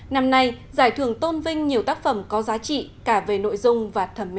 năm nay giải thưởng tôn vinh nhiều tác phẩm có giá trị cả về nội dung và thẩm mỹ